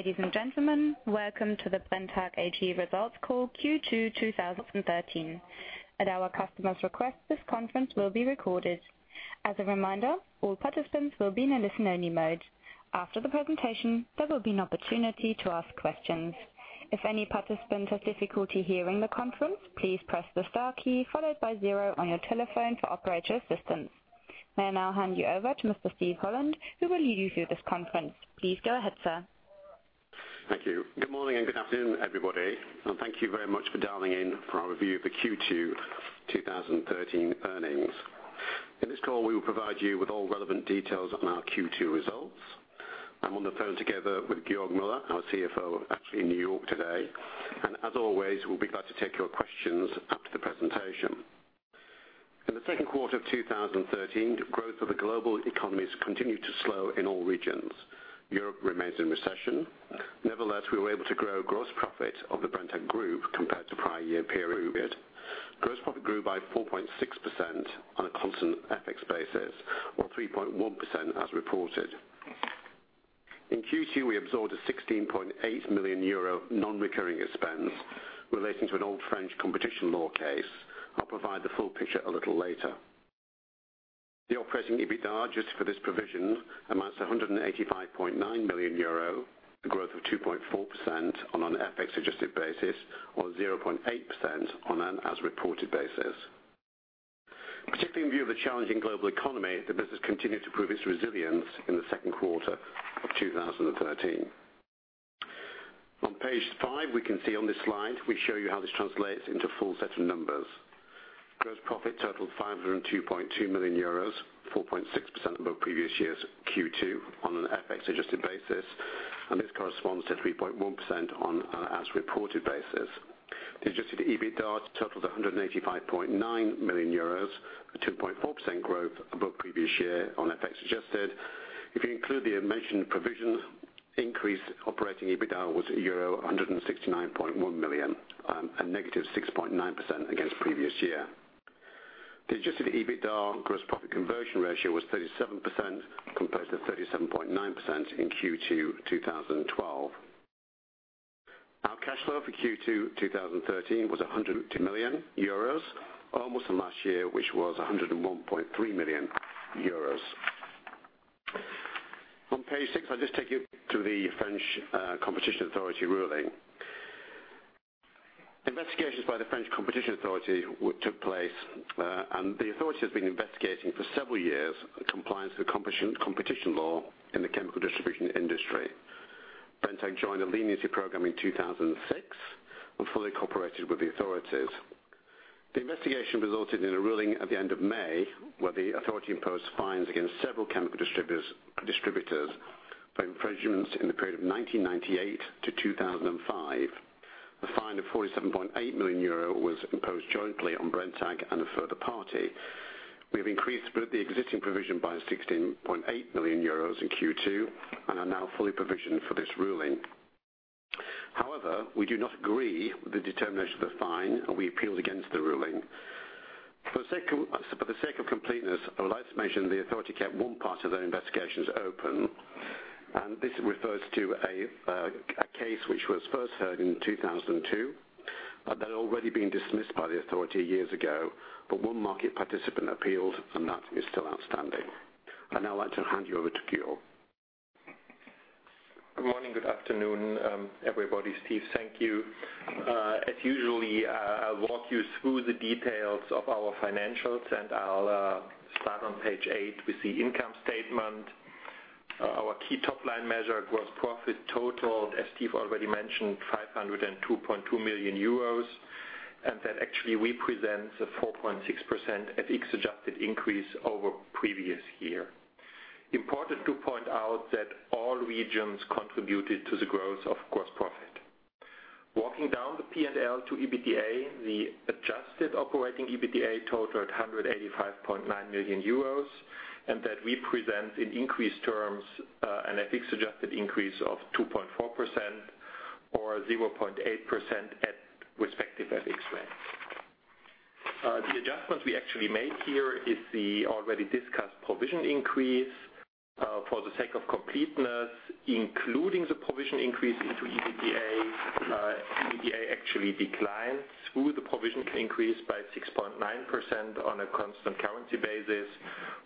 Ladies and gentlemen, welcome to the Brenntag AG results call Q2 2013. At our customer's request, this conference will be recorded. As a reminder, all participants will be in a listen only mode. After the presentation, there will be an opportunity to ask questions. If any participant has difficulty hearing the conference, please press the star key followed by zero on your telephone for operator assistance. May I now hand you over to Mr. Steven Holland, who will lead you through this conference. Please go ahead, sir. Thank you. Good morning and good afternoon, everybody, thank you very much for dialing in for our review of the Q2 2013 earnings. In this call, we will provide you with all relevant details on our Q2 results. I'm on the phone together with Georg Müller, our CFO, actually in New York today. As always, we'll be glad to take your questions after the presentation. In the second quarter of 2013, growth of the global economies continued to slow in all regions. Europe remains in recession. Nevertheless, we were able to grow gross profit of the Brenntag Group compared to prior year period. Gross profit grew by 4.6% on a constant FX basis or 3.1% as reported. In Q2, we absorbed a 16.8 million euro non-recurring expense relating to an old French competition law case. I'll provide the full picture a little later. The operating EBITDA adjusted for this provision amounts to 185.9 million euro, a growth of 2.4% on an FX adjusted basis, or 0.8% on an as reported basis. Particularly in view of the challenging global economy, the business continued to prove its resilience in the second quarter of 2013. On page five, we can see on this slide, we show you how this translates into full set of numbers. Gross profit totaled 502.2 million euros, 4.6% above previous year's Q2 on an FX adjusted basis, and this corresponds to 3.1% on an as reported basis. The adjusted EBITDA totaled 185.9 million euros, a 2.4% growth above previous year on FX adjusted. If you include the mentioned provision increase, operating EBITDA was euro 169.1 million, a negative 6.9% against previous year. The adjusted EBITDA gross profit conversion ratio was 37%, compared to 37.9% in Q2 2012. Our cash flow for Q2 2013 was 102 million euros, almost in last year, which was 101.3 million euros. On page six, I'll just take you to the French Competition Authority ruling. Investigations by the French Competition Authority took place, and the authority has been investigating for several years compliance with competition law in the chemical distribution industry. Brenntag joined a leniency program in 2006 and fully cooperated with the authorities. The investigation resulted in a ruling at the end of May, where the authority imposed fines against several chemical distributors for infringements in the period of 1998 to 2005. The fine of 47.8 million euro was imposed jointly on Brenntag and a further party. We have increased the existing provision by 16.8 million euros in Q2 and are now fully provisioned for this ruling. However, we do not agree with the determination of the fine, and we appealed against the ruling. For the sake of completeness, I would like to mention the authority kept one part of their investigations open, and this refers to a case which was first heard in 2002, but had already been dismissed by the authority years ago, but one market participant appealed and that is still outstanding. I'd now like to hand you over to Georg. Good morning, good afternoon, everybody. Steve, thank you. As usually, I'll walk you through the details of our financials and I'll start on page eight with the income statement. Our key top-line measure gross profit totaled, as Steve already mentioned, 502.2 million euros, and that actually represents a 4.6% FX-adjusted increase over previous year. Important to point out that all regions contributed to the growth of gross profit. Walking down the P&L to EBITDA, the adjusted operating EBITDA totaled 185.9 million euros and that represents in increased terms an FX-adjusted increase of 2.4% or 0.8% at respective FX rates. The adjustments we actually made here is the already discussed provision increase. For the sake of completeness, including the provision increase into EBITDA actually declined through the provision increase by 6.9% on a constant currency basis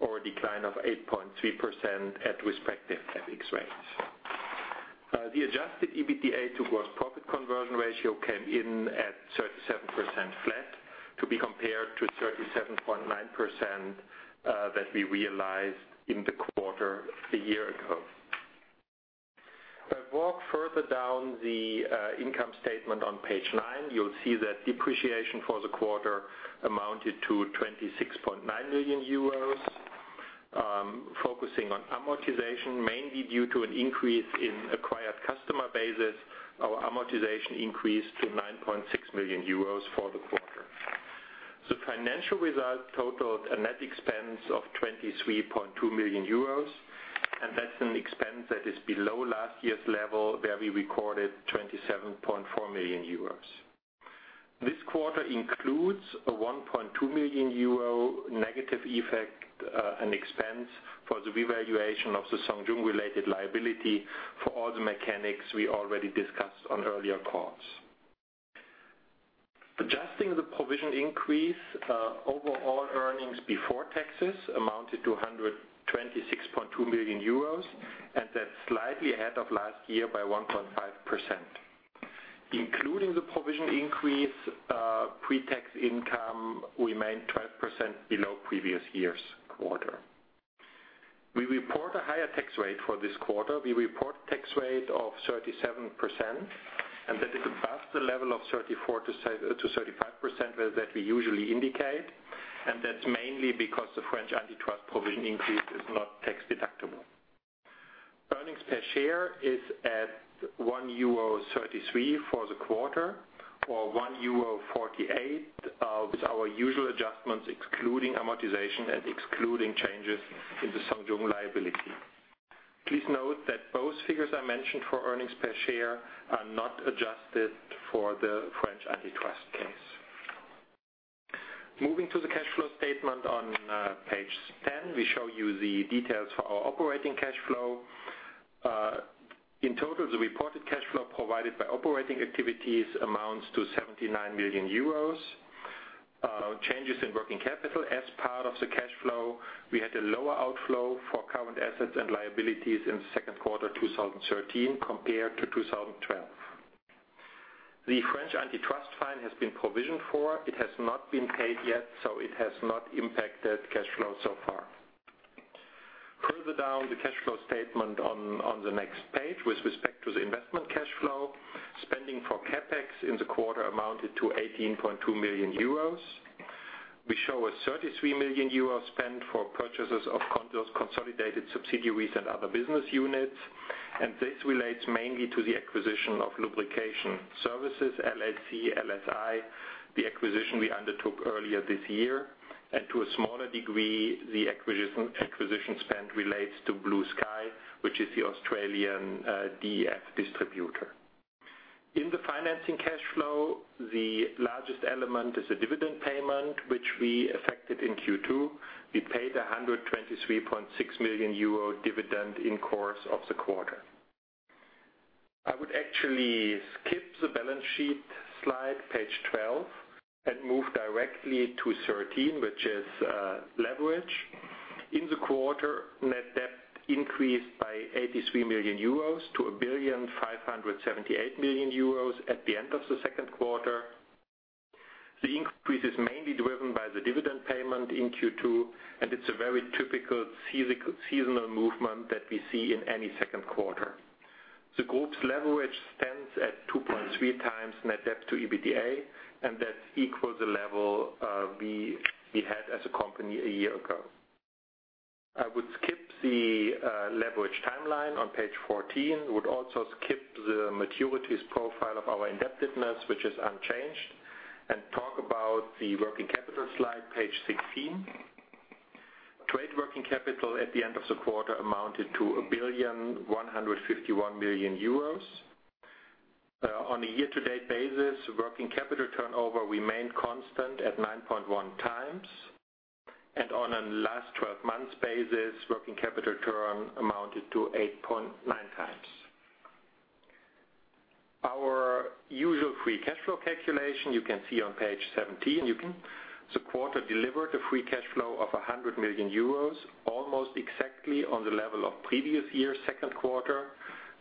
or a decline of 8.3% at respective FX rates. The adjusted EBITDA to gross profit conversion ratio came in at 37% flat to be compared to 37.9% that we realized in the quarter a year ago. If I walk further down the income statement on page nine, you'll see that depreciation for the quarter amounted to 26.9 million euros. Focusing on amortization, mainly due to an increase in acquired customer bases, our amortization increased to 9.6 million euros for the quarter. The financial result totaled a net expense of 23.2 million euros, and that's an expense that is below last year's level, where we recorded 27.4 million euros. This quarter includes a 1.2 million euro negative effect, an expense for the revaluation of the Zhong Yung-related liability for all the mechanics we already discussed on earlier calls. Adjusting the provision increase, overall earnings before taxes amounted to 126.2 million euros, and that's slightly ahead of last year by 1.5%. Including the provision increase, pre-tax income remained 12% below previous year's quarter. We report a higher tax rate for this quarter. We report tax rate of 37%, and that is above the level of 34%-35% that we usually indicate. That's mainly because the French antitrust provision increase is not tax-deductible. Earnings per share is at 1.33 euro for the quarter, or 1.48 euro with our usual adjustments, excluding amortization and excluding changes in the Zhong Yung liability. Please note that both figures I mentioned for earnings per share are not adjusted for the French antitrust case. Moving to the cash flow statement on page 10, we show you the details for our operating cash flow. In total, the reported cash flow provided by operating activities amounts to 79 million euros. Changes in working capital as part of the cash flow, we had a lower outflow for current assets and liabilities in the second quarter 2013 compared to 2012. The French antitrust fine has been provisioned for. It has not been paid yet, so it has not impacted cash flow so far. Further down the cash flow statement on the next page, with respect to the investment cash flow, spending for CapEx in the quarter amounted to 18.2 million euros. We show a 33 million euro spend for purchases of consolidates subsidiaries and other business units, and this relates mainly to the acquisition of Lubrication Services, LLC, LSI, the acquisition we undertook earlier this year. To a smaller degree, the acquisition spend relates to Blue Sky, which is the Australian DEF distributor. In the financing cash flow, the largest element is the dividend payment, which we affected in Q2. We paid a 123.6 million euro dividend in course of the quarter. I would actually skip the balance sheet slide, page 12, and move directly to 13, which is leverage. In the quarter, net debt increased by 83 million euros to 1,578 million euros at the end of the second quarter. The increase is mainly driven by the dividend payment in Q2, and it's a very typical seasonal movement that we see in any second quarter. The group's leverage stands at 2.3 times net debt to EBITDA, and that equals the level we had as a company a year ago. I would skip the leverage timeline on page 14, would also skip the maturities profile of our indebtedness, which is unchanged, and talk about the working capital slide, page 16. Trade working capital at the end of the quarter amounted to 1,151 million euros. On a year-to-date basis, working capital turnover remained constant at 9.1 times, and on a last 12 months basis, working capital turn amounted to 8.9 times. Our usual free cash flow calculation, you can see on page 17. The quarter delivered a free cash flow of 100 million euros, almost exactly on the level of previous year's second quarter.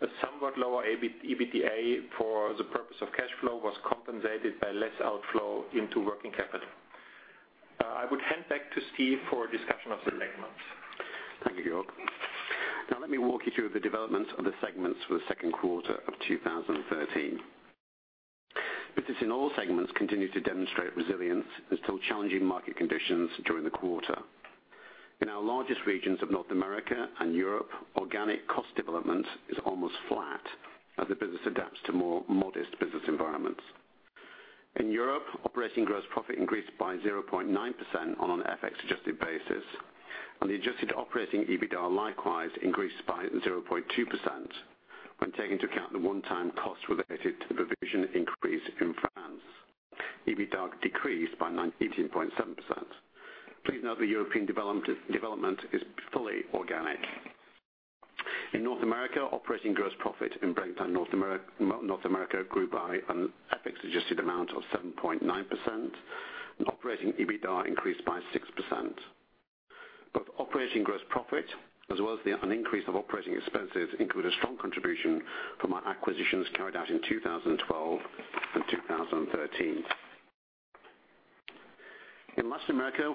A somewhat lower EBITDA for the purpose of cash flow was compensated by less outflow into working capital. I would hand back to Steve for a discussion of the segments. Thank you, Georg. Now let me walk you through the development of the segments for the second quarter of 2013. Business in all segments continued to demonstrate resilience under challenging market conditions during the quarter. In our largest regions of North America and Europe, organic cost development is almost flat as the business adapts to more modest business environments. In Europe, operating gross profit increased by 0.9% on an FX-adjusted basis, and the adjusted operating EBITDA likewise increased by 0.2%. When taking into account the one-time cost related to the provision increase in France, EBITDA decreased by 18.7%. Please note the European development is fully organic. In North America, operating gross profit in Brenntag North America grew by an FX-adjusted amount of 7.9%, and operating EBITDA increased by 6%. Both operating gross profit as well as an increase of operating expenses include a strong contribution from our acquisitions carried out in 2012 and 2013. In Latin America,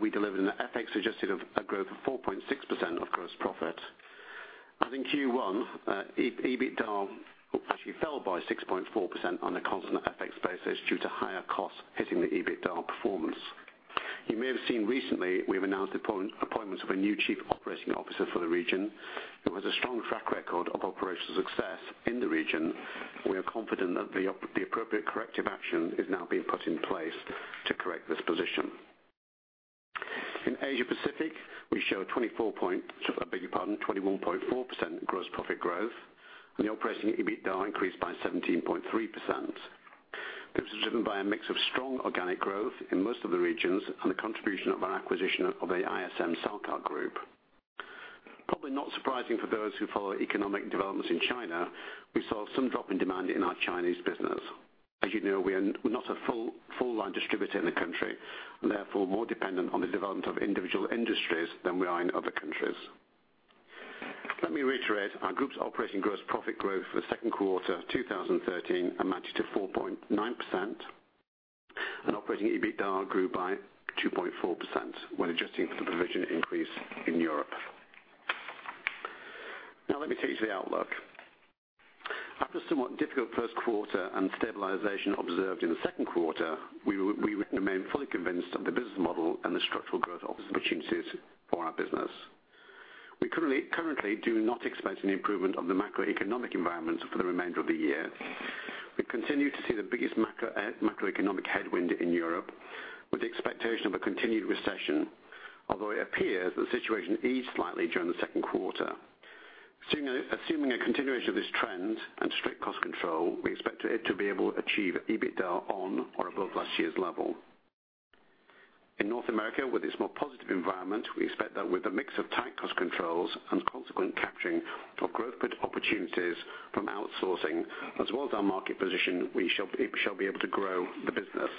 we delivered an FX-adjusted of a growth of 4.6% of gross profit. As in Q1, EBITDA actually fell by 6.4% on a constant FX basis due to higher costs hitting the EBITDA performance. You may have seen recently, we've announced the appointment of a new Chief Operating Officer for the region, who has a strong track record of operational success in the region. We are confident that the appropriate corrective action is now being put in place to correct this position. In Asia Pacific, we show 21.4% gross profit growth, and the operating EBITDA increased by 17.3%. This was driven by a mix of strong organic growth in most of the regions and the contribution of our acquisition of the ISM/Salkat Group. Probably not surprising for those who follow economic developments in China, we saw some drop in demand in our Chinese business. As you know, we're not a full line distributor in the country, and therefore more dependent on the development of individual industries than we are in other countries. Let me reiterate our group's operating gross profit growth for the second quarter of 2013 amounted to 4.9%, and operating EBITDA grew by 2.4% when adjusting for the provision increase in Europe. Let me take you to the outlook. After a somewhat difficult first quarter and stabilization observed in the second quarter, we remain fully convinced of the business model and the structural growth opportunities for our business. We currently do not expect an improvement of the macroeconomic environment for the remainder of the year. We continue to see the biggest macroeconomic headwind in Europe, with the expectation of a continued recession, although it appears the situation eased slightly during the second quarter. Assuming a continuation of this trend and strict cost control, we expect it to be able to achieve EBITDA on or above last year's level. In North America, with its more positive environment, we expect that with a mix of tight cost controls and consequent capturing of growth opportunities from outsourcing, as well as our market position, we shall be able to grow the business.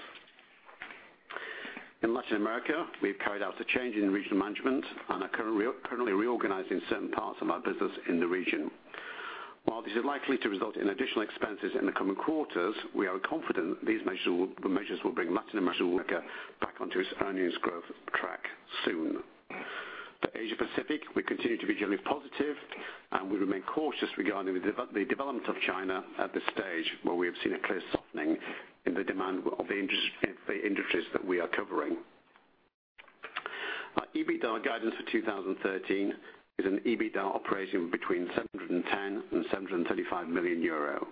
In Latin America, we've carried out a change in regional management and are currently reorganizing certain parts of our business in the region. While this is likely to result in additional expenses in the coming quarters, we are confident these measures will bring Latin America back onto its earnings growth track soon. For Asia Pacific, we continue to be generally positive, and we remain cautious regarding the development of China at this stage, where we have seen a clear softening in the demand of the industries that we are covering. Our EBITDA guidance for 2013 is an EBITDA operating between 710 and 735 million euro.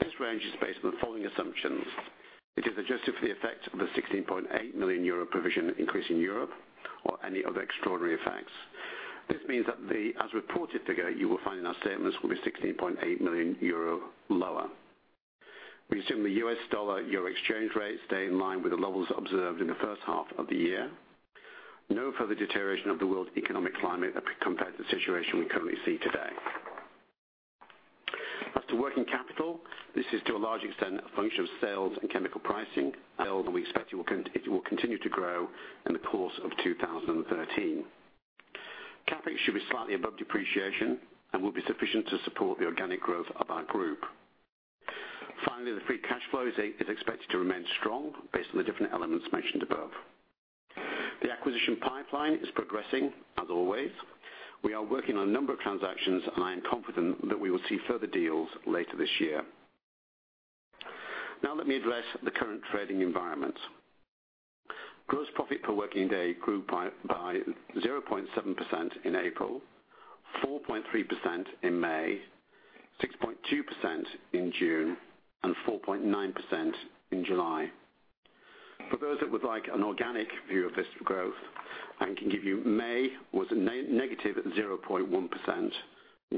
This range is based on the following assumptions. It is adjusted for the effect of the 16.8 million euro provision increase in Europe or any other extraordinary effects. This means that as a reported figure, you will find in our statements will be 16.8 million euro lower. We assume the US dollar/euro exchange rates stay in line with the levels observed in the first half of the year. No further deterioration of the world's economic climate compared to the situation we currently see today. As to working capital, this is to a large extent, a function of sales and chemical pricing, and we expect it will continue to grow in the course of 2013. CapEx should be slightly above depreciation and will be sufficient to support the organic growth of our group. Finally, the free cash flow is expected to remain strong based on the different elements mentioned above. The acquisition pipeline is progressing as always. We are working on a number of transactions, and I am confident that we will see further deals later this year. Now let me address the current trading environment. Gross profit per working day grew by 0.7% in April, 4.3% in May, 6.2% in June, and 4.9% in July. For those that would like an organic view of this growth, I can give you May was negative 0.1%,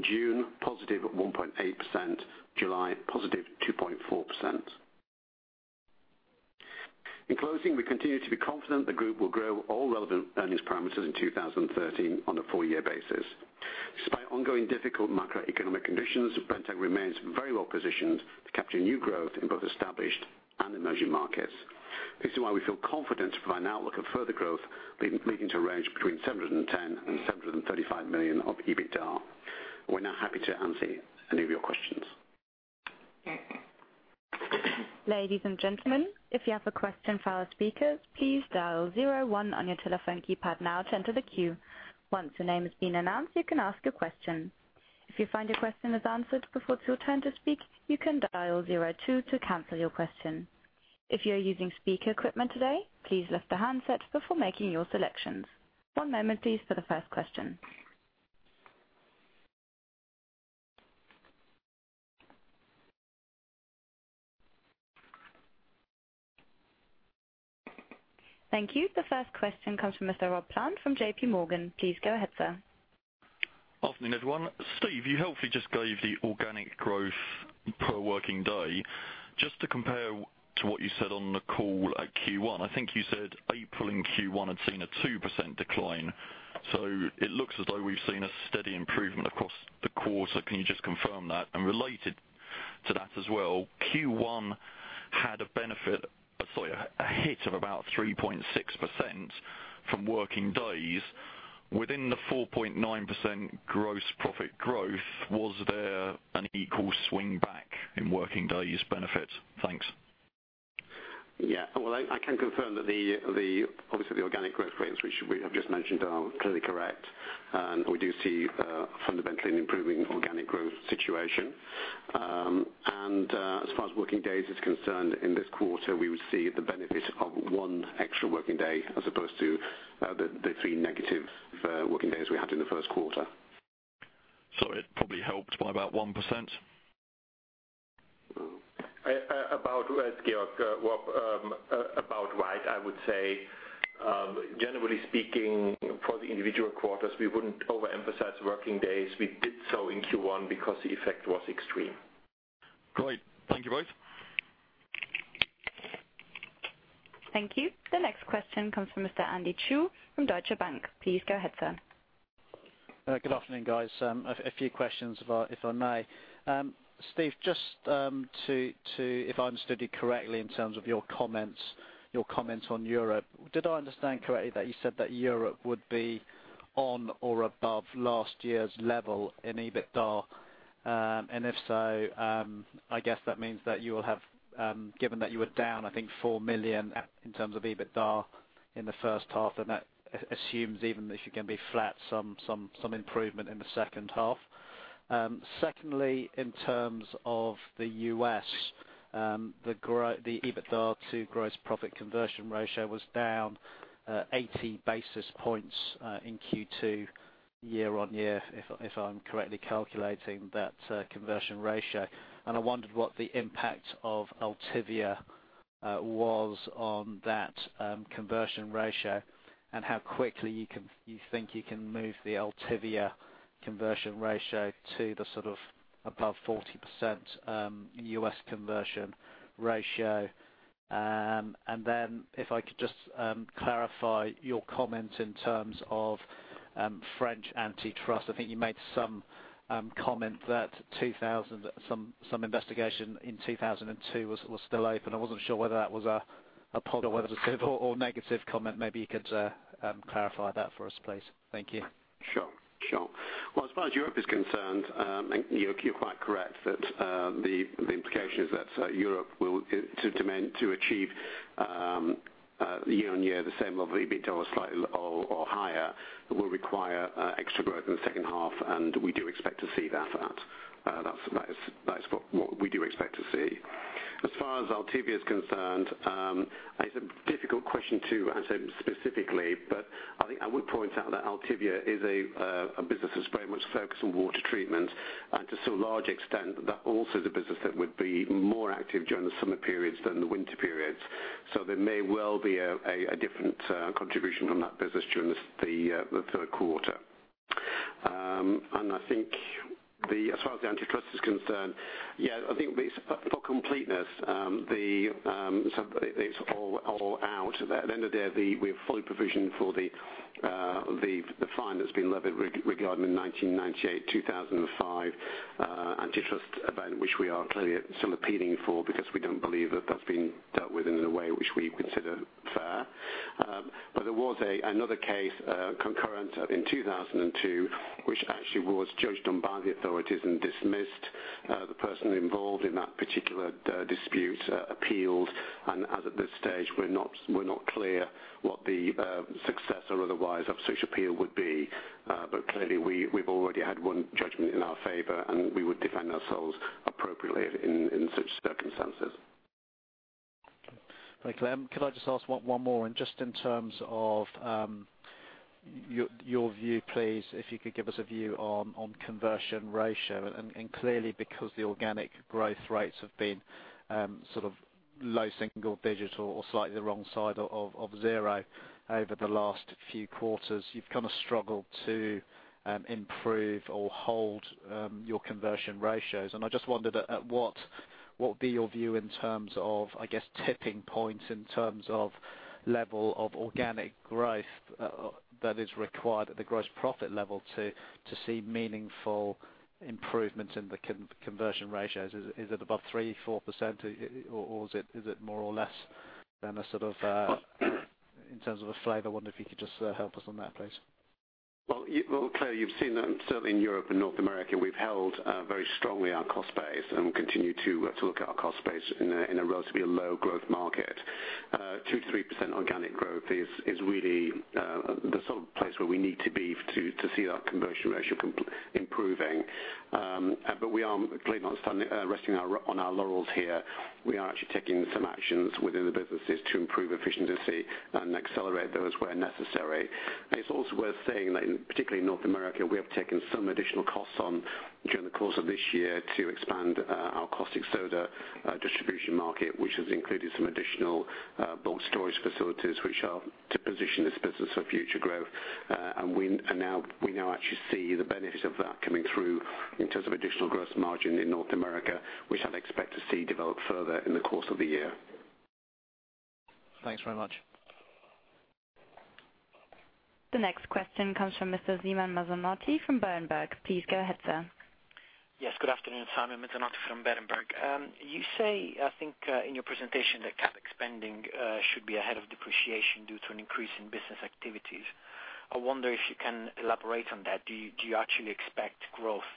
June positive 1.8%, July positive 2.4%. In closing, we continue to be confident the group will grow all relevant earnings parameters in 2013 on a full-year basis. Despite ongoing difficult macroeconomic conditions, Brenntag remains very well positioned to capture new growth in both established and emerging markets. This is why we feel confident to provide an outlook of further growth, leading to a range between 710 million-735 million of EBITDA. We are now happy to answer any of your questions. Ladies and gentlemen, if you have a question for our speakers, please dial 01 on your telephone keypad now to enter the queue. Once your name has been announced, you can ask your question. If you find your question is answered before it is your turn to speak, you can dial 02 to cancel your question. If you are using speaker equipment today, please lift the handset before making your selections. One moment please for the first question. Thank you. The first question comes from Mr. Rob Plant from J.P. Morgan. Please go ahead, sir. Good afternoon, everyone. Steve, you helpfully just gave the organic growth per working day. Just to compare to what you said on the call at Q1, I think you said April in Q1 had seen a 2% decline. It looks as though we have seen a steady improvement across the quarter. Can you just confirm that? Related to that as well, Q1 had a hit of about 3.6% from working days within the 4.9% gross profit growth. Was there an equal swing back in working days benefit? Thanks. Well, I can confirm that obviously the organic growth rates we have just mentioned are clearly correct, and we do see fundamentally an improving organic growth situation. As far as working days is concerned, in this quarter, we would see the benefit of one extra working day as opposed to the three negative working days we had in the first quarter. It probably helped by about 1%? About Georg, about right, I would say, generally speaking, for the individual quarters, we wouldn't overemphasize working days. We did so in Q1 because the effect was extreme. Great. Thank you both. Thank you. The next question comes from Mr. Andy Chu from Deutsche Bank. Please go ahead, sir. Good afternoon, guys. A few questions, if I may. Steve, if I understood you correctly in terms of your comments on Europe, did I understand correctly that you said that Europe would be on or above last year's level in EBITDA? If so, I guess that means that you will have, given that you were down, I think 4 million in terms of EBITDA in the first half, and that assumes even if you can be flat, some improvement in the second half. Secondly, in terms of the U.S., the EBITDA to gross profit conversion ratio was down 80 basis points in Q2 year-on-year, if I'm correctly calculating that conversion ratio. I wondered what the impact of Altivia was on that conversion ratio, and how quickly you think you can move the Altivia conversion ratio to the above 40% U.S. conversion ratio. If I could just clarify your comment in terms of French antitrust, I think you made some comment that some investigation in 2002 was still open. I wasn't sure whether that was a positive or negative comment. Maybe you could clarify that for us, please. Thank you. Sure. As far as Europe is concerned, you're quite correct that the implication is that Europe will, to achieve year-on-year the same level of EBITDA or slightly or higher, will require extra growth in the second half, we do expect to see that. That is what we do expect to see. As far as Altivia is concerned, it's a difficult question to answer specifically, but I think I would point out that Altivia is a business that's very much focused on water treatment. To so large extent, that also is a business that would be more active during the summer periods than the winter periods. There may well be a different contribution from that business during the third quarter. I think as far as the antitrust is concerned, I think for completeness, it's all out. At the end of the day, we have fully provisioned for the fine that's been levied regarding the 1998, 2005 antitrust event, which we are clearly still appealing for because we don't believe that that's been dealt with in a way which we consider fair. There was another case concurrent in 2002, which actually was judged on by the authorities and dismissed. The person involved in that particular dispute appealed, and as of this stage, we're not clear what the success or otherwise of such appeal would be. Clearly we've already had one judgment in our favor, and we would defend ourselves appropriately in such circumstances. Thank you. Could I just ask one more? Just in terms of your view, please, if you could give us a view on conversion ratio. Clearly because the organic growth rates have been low single digit or slightly the wrong side of zero over the last few quarters, you've kind of struggled to improve or hold your conversion ratios. I just wondered what would be your view in terms of, I guess, tipping points in terms of level of organic growth that is required at the gross profit level to see meaningful improvements in the conversion ratios. Is it above 3%, 4%, or is it more or less than a sort of in terms of a flavor? I wonder if you could just help us on that, please. Well, clearly, you've seen that certainly in Europe and North America, we've held very strongly our cost base and will continue to look at our cost base in a relatively low growth market. 2%-3% organic growth is really the sort of place where we need to be to see that conversion ratio improving. We are clearly not resting on our laurels here. We are actually taking some actions within the businesses to improve efficiency and accelerate those where necessary. It's also worth saying that particularly in North America, we have taken some additional costs on during the course of this year to expand our caustic soda distribution market, which has included some additional bulk storage facilities, which are to position this business for future growth. We now actually see the benefit of that coming through in terms of additional gross margin in North America, which I'd expect to see develop further in the course of the year. Thanks very much. The next question comes from Mr. Simon Mezzanotte from Berenberg. Please go ahead, sir. Yes, good afternoon. Simon Mezzanotte from Berenberg. You say, I think, in your presentation that CapEx spending should be ahead of depreciation due to an increase in business activities. I wonder if you can elaborate on that. Do you actually expect growth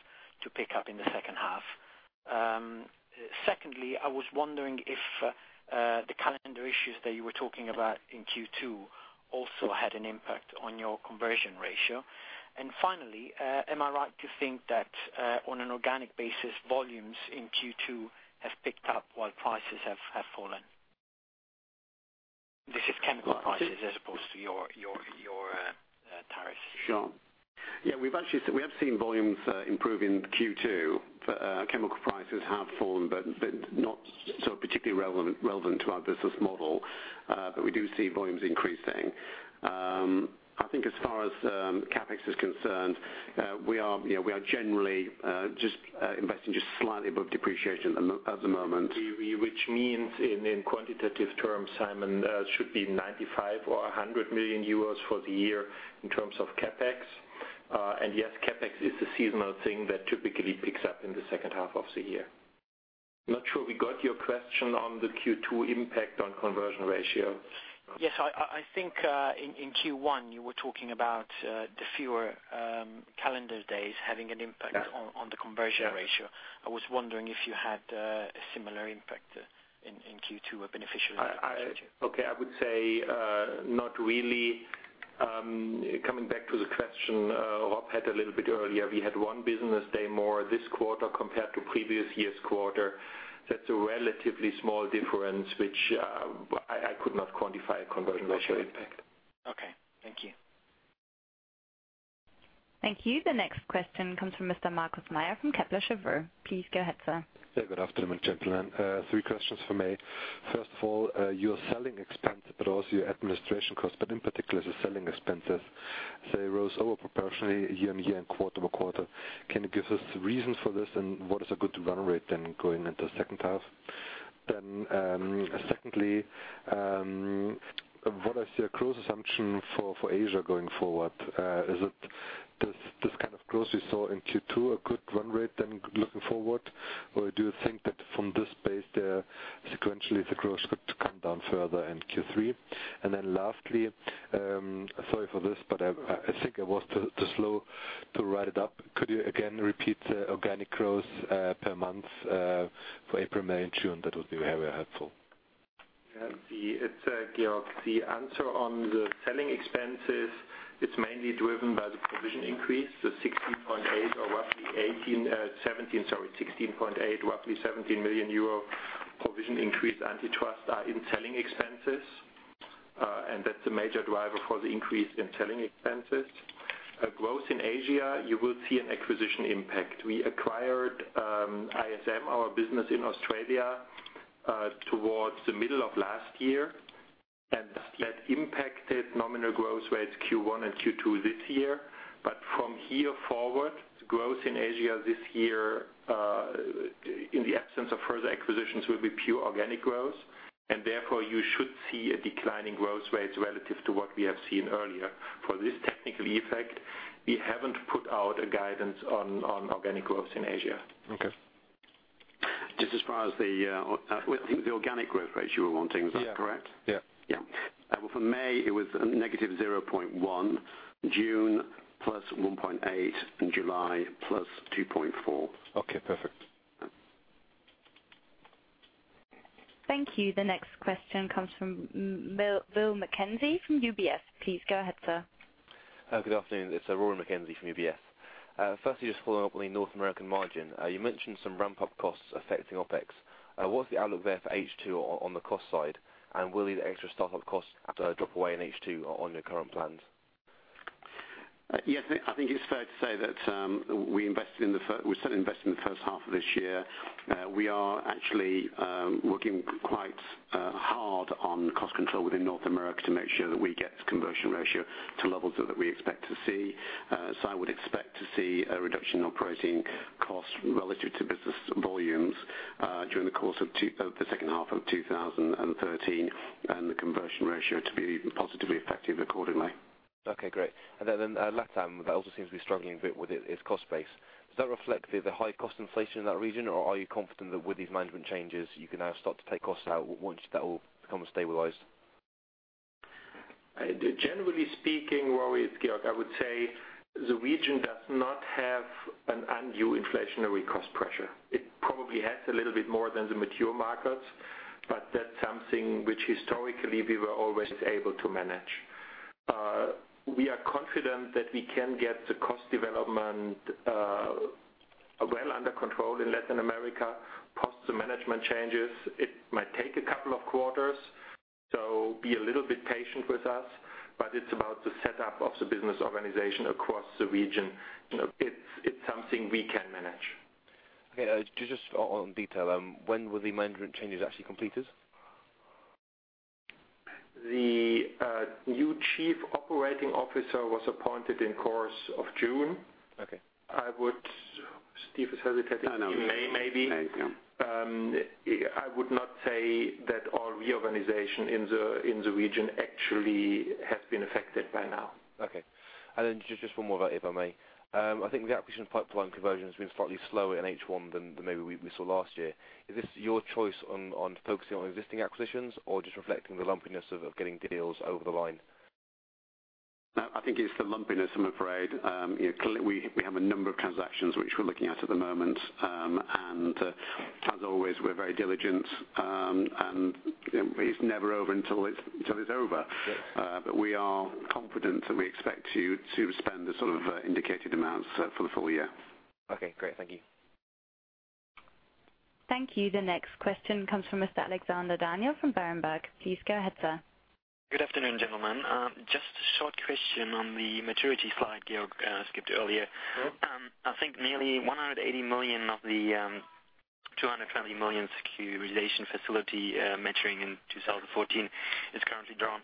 to pick up in the second half? Secondly, I was wondering if the calendar issues that you were talking about in Q2 also had an impact on your conversion ratio. Finally, am I right to think that on an organic basis, volumes in Q2 have picked up while prices have fallen? Chemical prices as opposed to your tariffs. Sure. Yeah, we have seen volumes improve in Q2. Chemical prices have fallen, but not particularly relevant to our business model. We do see volumes increasing. I think as far as CapEx is concerned, we are generally just investing slightly above depreciation at the moment. Which means in quantitative terms, Simon, should be 95 million or 100 million euros for the year in terms of CapEx. Yes, CapEx is a seasonal thing that typically picks up in the second half of the year. Not sure we got your question on the Q2 impact on conversion ratio. Yes. I think, in Q1, you were talking about the fewer calendar days having an impact Yeah on the conversion ratio. Yeah. I was wondering if you had a similar impact in Q2, a beneficial impact. Okay. I would say, not really. Coming back to the question Rob had a little bit earlier. We had one business day more this quarter compared to previous year's quarter. That's a relatively small difference, which I could not quantify a conversion ratio impact. Okay. Thank you. Thank you. The next question comes from Mr. Markus Meyer from Kepler Cheuvreux. Please go ahead, sir. Yeah. Good afternoon, gentlemen. Three questions from me. First of all, your selling expense, but also your administration cost, but in particular, the selling expenses, they rose over proportionally year-over-year and quarter-over-quarter. Can you give us reasons for this and what is a good run rate going into the second half? Secondly, what I see a growth assumption for Asia going forward. Is this kind of growth we saw in Q2 a good run rate looking forward? Or do you think that from this base, sequentially, the growth could come down further in Q3? Lastly, sorry for this, but I think I was too slow to write it up. Could you again repeat the organic growth per month for April, May, and June? That would be very helpful. Yeah. It's Georg. The answer on the selling expenses, it's mainly driven by the provision increase, the 16.8, roughly 17 million euro provision increase antitrust are in selling expenses. That's a major driver for the increase in selling expenses. Growth in Asia, you will see an acquisition impact. We acquired ISM, our business in Australia, towards the middle of last year, and that impacted nominal growth rates Q1 and Q2 this year. From here forward, growth in Asia this year, in the absence of further acquisitions, will be pure organic growth, and therefore, you should see a decline in growth rates relative to what we have seen earlier. For this technical effect, we haven't put out a guidance on organic growth in Asia. Okay. Just as far as the, I think the organic growth rates you were wanting, is that correct? Yeah. Yeah. For May, it was negative 0.1%. June, plus 1.8%, and July, plus 2.4%. Okay, perfect. Thank you. The next question comes from Rory Mackenzie from UBS. Please go ahead, sir. Good afternoon. It's Rory Mackenzie from UBS. Firstly, just following up on the North American margin. You mentioned some ramp-up costs affecting OpEx. What's the outlook there for H2 on the cost side? Will the extra start-up costs drop away in H2 on your current plans? Yes, I think it's fair to say that we certainly invested in the first half of this year. We are actually working quite hard on cost control within North America to make sure that we get conversion ratio to levels that we expect to see. I would expect to see a reduction of pro rata costs relative to business volumes during the course of the second half of 2013, and the conversion ratio to be positively effective accordingly. Okay, great. LatAm, that also seems to be struggling a bit with its cost base. Does that reflect the high-cost inflation in that region, or are you confident that with these management changes, you can now start to take costs out once that all becomes stabilized? Generally speaking, Rory, it's Georg. I would say the region does not have an undue inflationary cost pressure. It probably has a little bit more than the mature markets, that's something which historically we were always able to manage. We are confident that we can get the cost development well under control in Latin America post the management changes. It might take a couple of quarters, be a little bit patient with us, it's about the setup of the business organization across the region. It's something we can manage. Okay. Just on detail, when were the management changes actually completed? The new Chief Operating Officer was appointed in course of June. Okay. Steve is hesitating. No. May, maybe. May, yeah. I would not say that all reorganization in the region actually has been affected by now. Okay. Just one more about it, if I may. I think the acquisition pipeline conversion has been slightly slower in H1 than maybe we saw last year. Is this your choice on focusing on existing acquisitions or just reflecting the lumpiness of getting deals over the line? No, I think it's the lumpiness, I'm afraid. We have a number of transactions which we're looking at at the moment. As always, we're very diligent, and it's never over until it's over. Yeah. We are confident that we expect to spend the sort of indicated amounts for the full year. Okay, great. Thank you. Thank you. The next question comes from Mr. Alexander Daniel from Berenberg. Please go ahead, sir. Good afternoon, gentlemen. Just a short question on the maturity slide Georg skipped earlier. Sure. I think nearly 180 million of the 220 million securitization facility maturing in 2014 is currently drawn.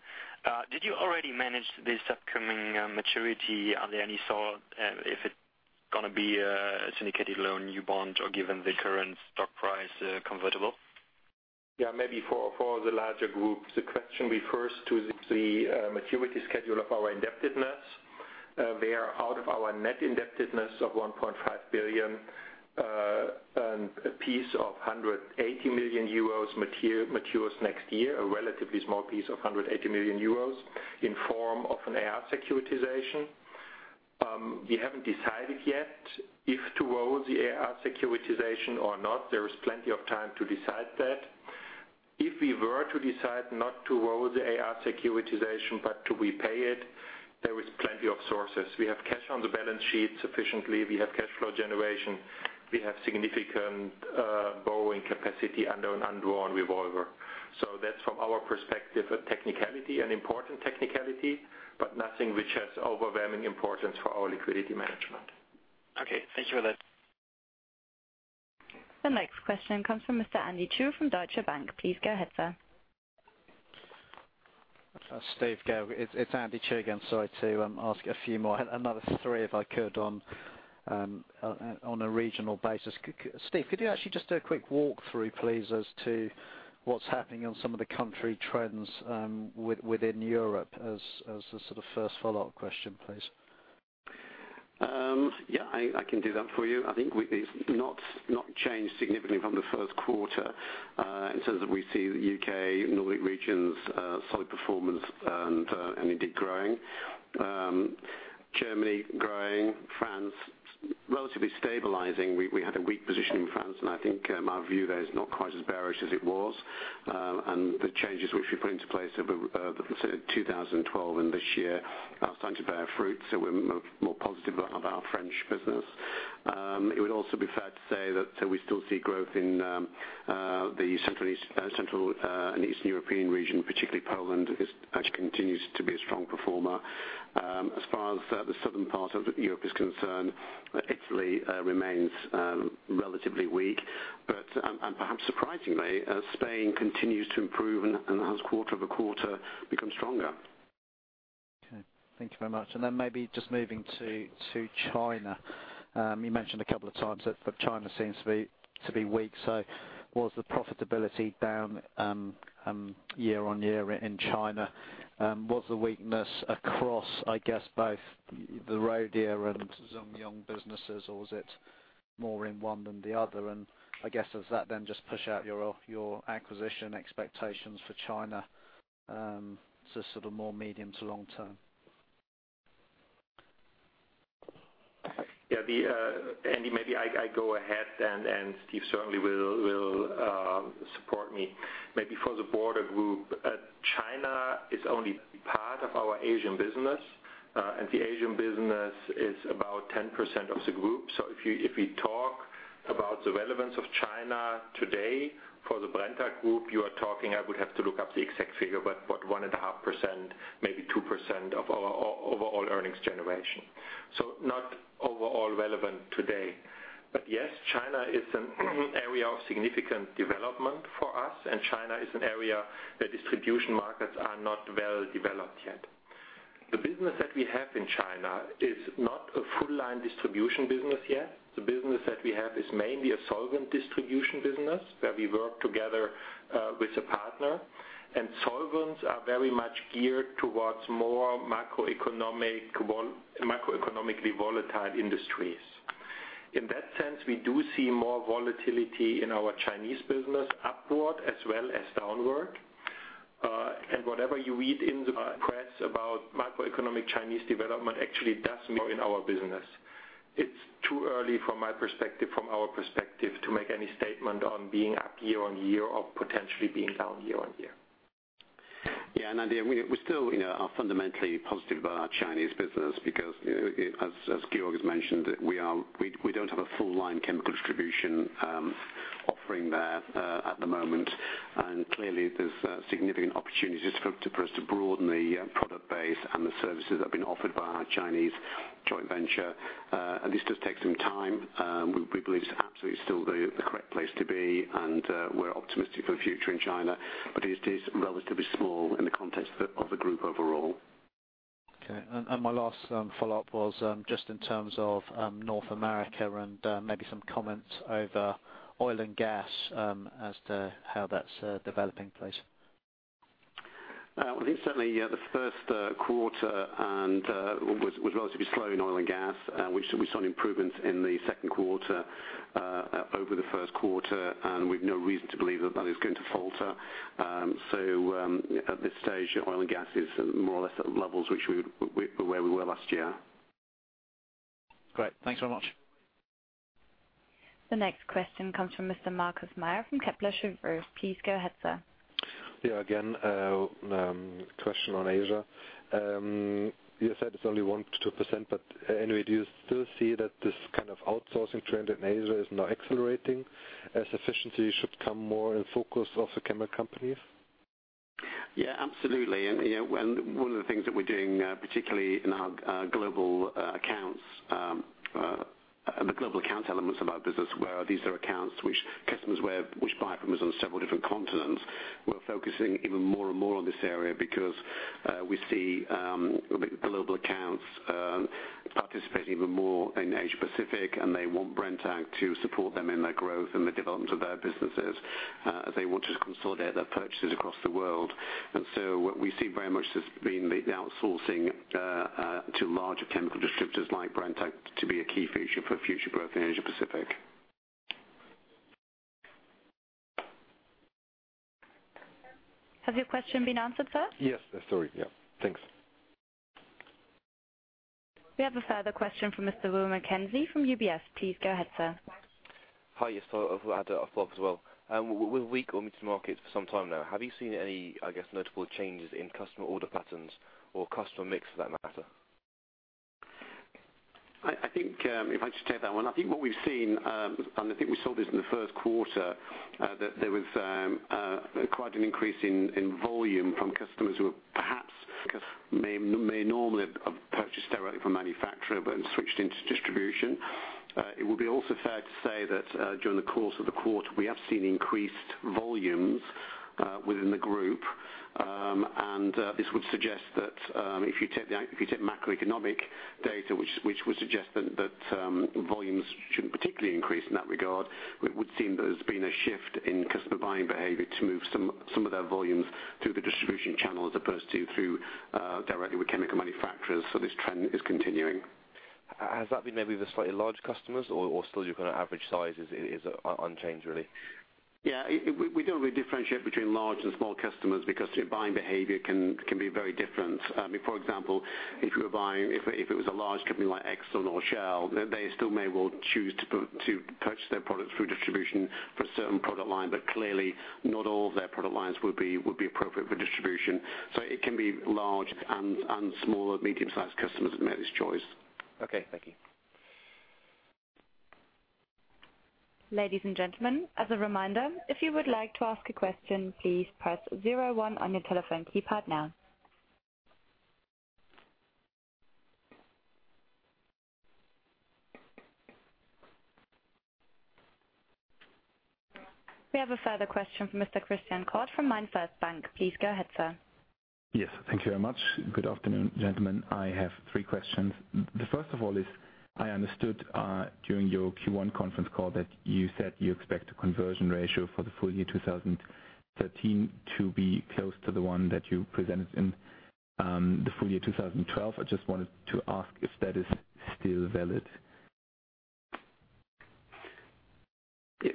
Did you already manage this upcoming maturity? Are there any thought if it's going to be a syndicated loan, new bond or given the current stock price convertible? Maybe for the larger group, the question refers to the maturity schedule of our indebtedness. Out of our net indebtedness of 1.5 billion, a piece of 180 million euros matures next year, a relatively small piece of 180 million euros in form of an AR securitization. We haven't decided yet if to roll the AR securitization or not. There is plenty of time to decide that. If we were to decide not to roll the AR securitization, but to repay it, there is plenty of sources. We have cash on the balance sheet sufficiently. We have cash flow generation. We have significant borrowing capacity under an undrawn revolver. That's from our perspective, a technicality, an important technicality, but nothing which has overwhelming importance for our liquidity management. Okay. Thank you for that. The next question comes from Mr. Andy Chu from Deutsche Bank. Please go ahead, sir. Steve, Georg, it's Andy Chu again. Sorry to ask a few more. Another three, if I could, on a regional basis. Steve, could you actually just do a quick walk through, please, as to what's happening on some of the country trends within Europe as the sort of first follow-up question, please. Yeah, I can do that for you. I think it's not changed significantly from the first quarter, in the sense that we see the U.K., Nordic regions, solid performance and indeed growing. Germany growing, France relatively stabilizing. We had a weak position in France, and I think my view there is not quite as bearish as it was. The changes which we put into place of 2012 and this year are starting to bear fruit. We're more positive about our French business. It would also be fair to say that we still see growth in the Central and East European region, particularly Poland, actually continues to be a strong performer. As far as the southern part of Europe is concerned, Italy remains relatively weak. Perhaps surprisingly, Spain continues to improve and has quarter-over-quarter become stronger. Okay, thank you very much. Then maybe just moving to China. You mentioned a couple of times that China seems to be weak. Was the profitability down year-on-year in China? Was the weakness across, I guess, both the Rhodia and Zhong Yung businesses, or was it more in one than the other? I guess, does that then just push out your acquisition expectations for China to sort of more medium-to-long-term? Andy, maybe I go ahead, and Steven certainly will support me. Maybe for the broader group, China is only part of our Asian business, and the Asian business is about 10% of the group. If we talk about the relevance of China today for the Brenntag Group, you are talking, I would have to look up the exact figure, but 1.5%, maybe 2% of our overall earnings generation. Not overall relevant today. Yes, China is an area of significant development for us, and China is an area where distribution markets are not well developed yet. The business that we have in China is not a full-line distribution business yet. The business that we have is mainly a solvent distribution business, where we work together with a partner, and solvents are very much geared towards more macroeconomically volatile industries. In that sense, we do see more volatility in our Chinese business upward as well as downward. Whatever you read in the press about macroeconomic Chinese development actually does mirror in our business. It's too early from my perspective, from our perspective, to make any statement on being up year-on-year or potentially being down year-on-year. Andy, we still are fundamentally positive about our Chinese business because as Georg has mentioned, we don't have a full-line chemical distribution offering there at the moment. Clearly there's significant opportunities for us to broaden the product base and the services that have been offered by our Chinese joint venture. This does take some time. We believe it's absolutely still the correct place to be, and we're optimistic for the future in China, but it is relatively small in the context of the group overall. Okay. My last follow-up was just in terms of North America and maybe some comments over oil and gas as to how that's developing, please. I think certainly, the first quarter was relatively slow in oil and gas. We saw an improvement in the second quarter over the first quarter. We've no reason to believe that that is going to falter. At this stage, oil and gas is more or less at levels where we were last year. Great. Thanks very much. The next question comes from Mr. Markus Meyer from Kepler Cheuvreux. Please go ahead, sir. Yeah. Again, question on Asia. You said it's only 1%-2%. Anyway, do you still see that this kind of outsourcing trend in Asia is now accelerating as efficiency should come more in focus of the chemical companies? Yeah, absolutely. One of the things that we're doing now, particularly in the global account elements of our business, where these are accounts which customers buy from us on several different continents. We're focusing even more and more on this area because we see global accounts participating even more in Asia Pacific. They want Brenntag to support them in their growth and the development of their businesses. They want to consolidate their purchases across the world. What we see very much as being the outsourcing to larger chemical distributors like Brenntag to be a key feature for future growth in Asia Pacific. Has your question been answered, sir? Yes. Sorry. Yeah. Thanks. We have a further question from Mr. Rory Mackenzie from UBS. Please go ahead, sir. Hi, yes. I had a follow-up as well. With weak or mid markets for some time now, have you seen any, I guess, notable changes in customer order patterns or customer mix for that matter? If I just take that one, I think what we've seen, and I think we saw this in the first quarter, that there was quite an increase in volume from customers who perhaps may normally have purchased directly from manufacturer but have switched into distribution. It would be also fair to say that during the course of the quarter, we have seen increased volumes within the Group. This would suggest that if you take macroeconomic data, which would suggest that volumes shouldn't particularly increase in that regard, it would seem there's been a shift in customer buying behavior to move some of their volumes through the distribution channel as opposed to through directly with chemical manufacturers. This trend is continuing. Has that been maybe the slightly large customers or still your kind of average size is unchanged really? Yeah. We don't really differentiate between large and small customers because their buying behavior can be very different. For example, if it was a large company like Exxon or Shell, they still may well choose to purchase their products through distribution for a certain product line. Clearly, not all of their product lines would be appropriate for distribution. It can be large and small or medium-sized customers that made this choice. Okay. Thank you. Ladies and gentlemen, as a reminder, if you would like to ask a question, please press 01 on your telephone keypad now. We have a further question from Mr. Christian Koch from MainFirst Bank. Please go ahead, sir. Yes. Thank you very much. Good afternoon, gentlemen. I have three questions. The first of all is, I understood during your Q1 conference call that you said you expect a conversion ratio for the full year 2013 to be close to the one that you presented in the full year 2012. I just wanted to ask if that is still valid. Yeah.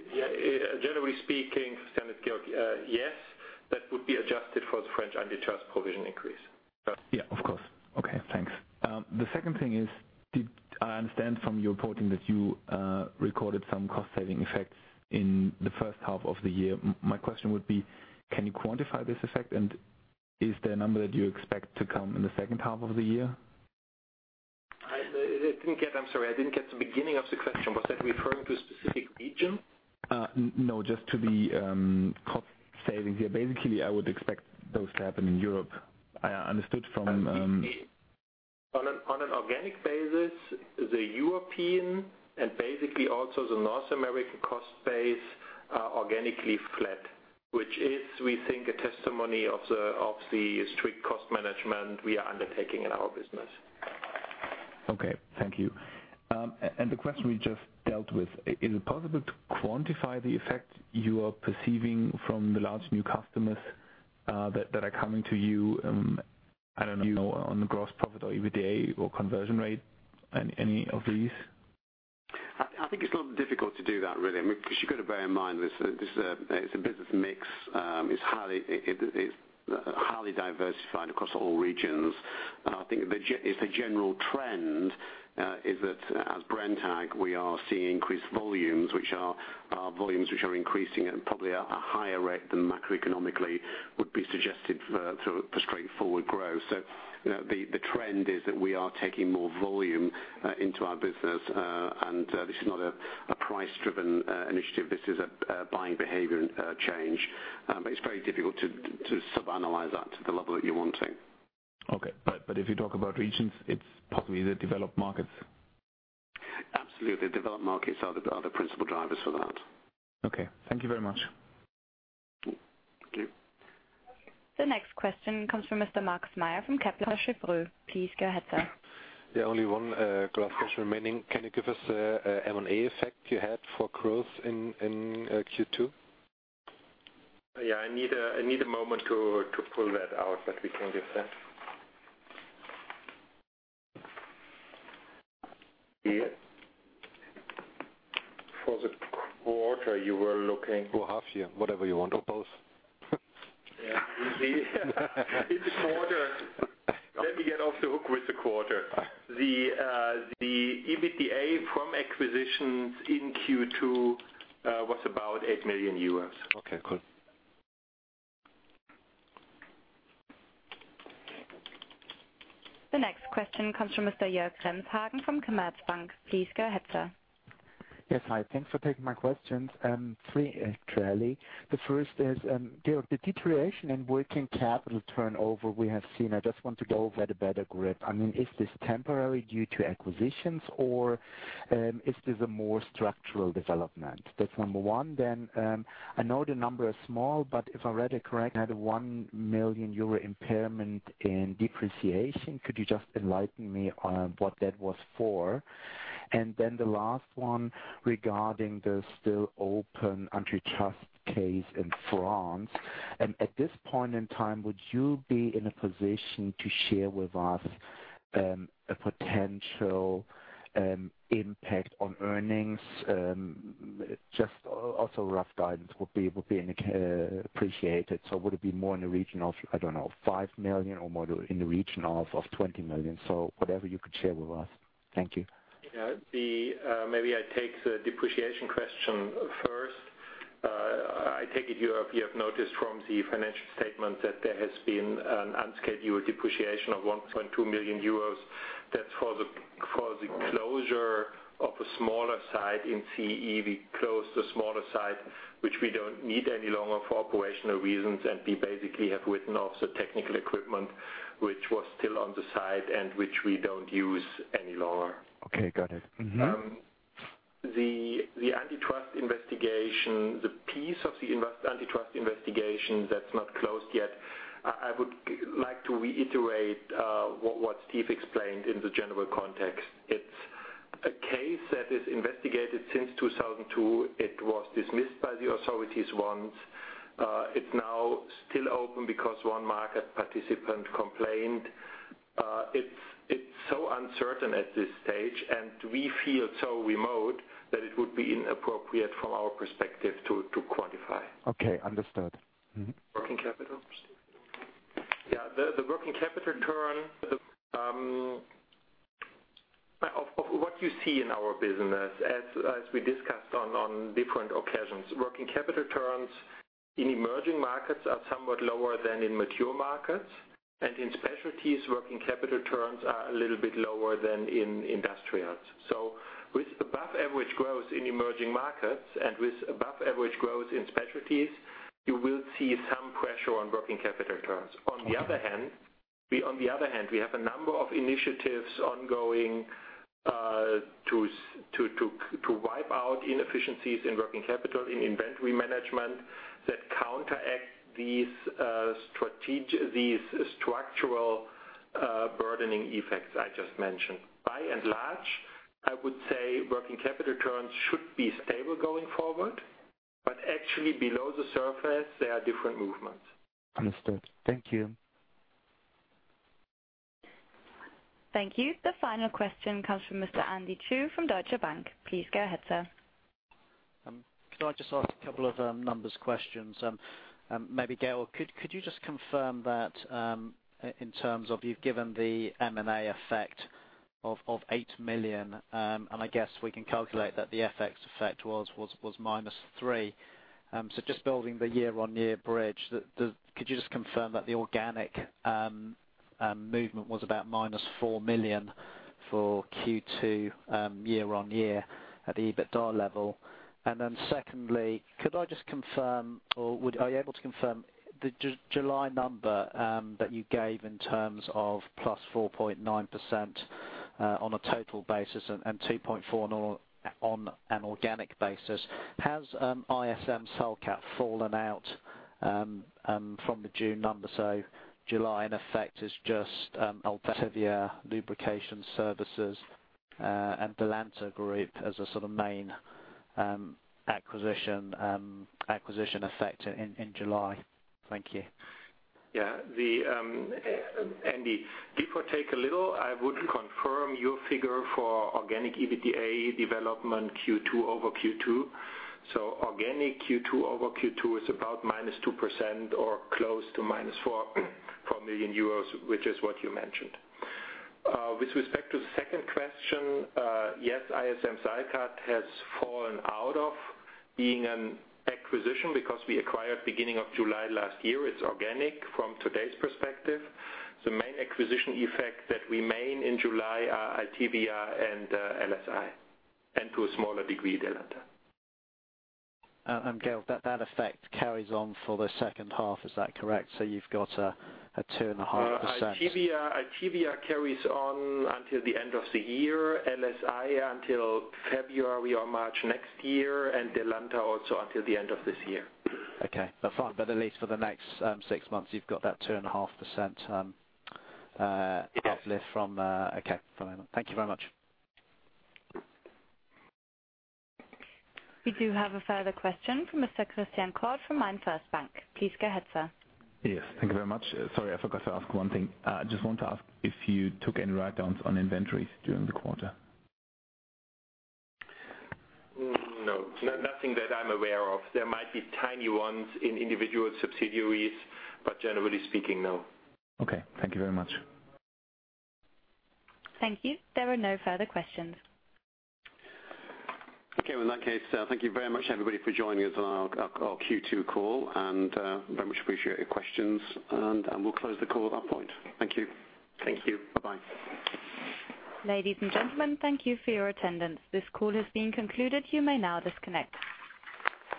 Generally speaking, Christian, yes. That would be adjusted for the French antitrust provision increase. Yeah, of course. Okay, thanks. The second thing is, did I understand from your reporting that you recorded some cost-saving effects in the first half of the year? My question would be, can you quantify this effect, and is there a number that you expect to come in the second half of the year? I'm sorry. I didn't get the beginning of the question. Was that referring to a specific region? No, just to the cost savings. Yeah. Basically, I would expect those to happen in Europe. On an organic basis, the European and basically also the North American cost base are organically flat, which is, we think, a testimony of the strict cost management we are undertaking in our business. Okay. Thank you. The question we just dealt with, is it possible to quantify the effect you are perceiving from the large new customers that are coming to you? I don't know, on the gross profit or EBITDA or conversion rate, any of these? I think it's not difficult to do that, really. I mean, you've got to bear in mind this is a business mix. It's highly diversified across all regions. I think it's a general trend is that as Brenntag, we are seeing increased volumes, which are volumes which are increasing at probably a higher rate than macroeconomically would be suggested for straightforward growth. The trend is that we are taking more volume into our business. This is not a price-driven initiative. This is a buying behavior change. It's very difficult to sub-analyze that to the level that you're wanting. Okay. If you talk about regions, it's possibly the developed markets. Absolutely. The developed markets are the principal drivers for that. Okay. Thank you very much. Thank you. The next question comes from Mr. Markus Meyer from Kepler Cheuvreux. Please go ahead, sir. Yeah. Only one last question remaining. Can you give us M&A effect you had for growth in Q2? Yeah. I need a moment to pull that out, but we can give that. For the quarter you were looking- Half year, whatever you want, or both. Yeah. In the quarter Let me get off the hook with the quarter. The EBITDA from acquisitions in Q2 was about 8 million euros. Okay, cool. The next question comes from Mr. Jörg Behrenhardt from Commerzbank. Please go ahead, sir. Yes, hi. Thanks for taking my questions. Three, actually. The first is, Georg, the deterioration in working capital turnover we have seen, I just want to get a better grip. Is this temporary due to acquisitions, or is this a more structural development? That's number one. I know the number is small, but if I read it correct, you had a 1 million euro impairment in depreciation. Could you just enlighten me on what that was for? The last one regarding the still open antitrust case in France. At this point in time, would you be in a position to share with us a potential impact on earnings? Just also rough guidance would be appreciated. Would it be more in the region of, I don't know, 5 million or more in the region of 20 million? Whatever you could share with us. Thank you. Yeah. Maybe I take the depreciation question first. I take it, Jörg, you have noticed from the financial statement that there has been an unscheduled depreciation of 1.2 million euros. That's for the closure of a smaller site in CE. We closed a smaller site, which we don't need any longer for operational reasons, and we basically have written off the technical equipment, which was still on the site and which we don't use any longer. Okay, got it. Mm-hmm. The antitrust investigation, the piece of the antitrust investigation that's not closed yet, I would like to reiterate what Steve explained in the general context. It's a case that is investigated since 2002. It was dismissed by the authorities once. It's now still open because one market participant complained. It's so uncertain at this stage, and we feel so remote that it would be inappropriate from our perspective to quantify. Okay, understood. Working capital? Yeah, the working capital turn of what you see in our business as we discussed on different occasions, working capital turns in emerging markets are somewhat lower than in mature markets. In specialties, working capital turns are a little bit lower than in industrials. With above-average growth in emerging markets and with above-average growth in specialties, you will see some pressure on working capital turns. On the other hand, we have a number of initiatives ongoing to wipe out inefficiencies in working capital in inventory management that counteract these structural burdening effects I just mentioned. By and large, I would say working capital turns should be stable going forward, actually below the surface, there are different movements. Understood. Thank you. Thank you. The final question comes from Mr. Andy Chu from Deutsche Bank. Please go ahead, sir. Could I just ask a couple of numbers questions? Maybe, Georg, could you just confirm that in terms of you've given the M&A effect of 8 million, I guess we can calculate that the FX effect was minus 3 million. Just building the year-on-year bridge, could you just confirm that the organic movement was about minus 4 million for Q2 year-on-year at the EBITDA level? Secondly, could I just confirm, or are you able to confirm the July number that you gave in terms of +4.9% on a total basis and 2.4% on an organic basis? Has ISM Salkat fallen out from the June number? July, in effect, is just Altivia, Lubrication Services, and Delanta Group as a sort of main acquisition effect in July. Thank you. Yeah. Andy, before I take a little, I would confirm your figure for organic EBITDA development Q2 over Q2. Organic Q2 over Q2 is about minus 2% or close to minus 4 million euros, which is what you mentioned. With respect to the second question, yes, ISM Salkat has fallen out of being an acquisition because we acquired beginning of July last year. It's organic from today's perspective. The main acquisition effects that remain in July are Altivia and LSI, and to a smaller degree, Delanta. Georg, that effect carries on for the second half. Is that correct? You've got a 2.5% Altivia carries on until the end of the year, LSI until February or March next year, Delanta also until the end of this year. Okay. Fine. At least for the next six months, you've got that 2.5% uplift from Yes. Okay. Thank you very much. We do have a further question from Mr. Christian Faitz from MainFirst Bank. Please go ahead, sir. Yes. Thank you very much. Sorry, I forgot to ask one thing. I just want to ask if you took any write-downs on inventories during the quarter. No. Nothing that I'm aware of. There might be tiny ones in individual subsidiaries, but generally speaking, no. Okay. Thank you very much. Thank you. There are no further questions. Okay, in that case, thank you very much, everybody, for joining us on our Q2 call, and very much appreciate your questions. We'll close the call at that point. Thank you. Thank you. Bye. Ladies and gentlemen, thank you for your attendance. This call has been concluded. You may now disconnect.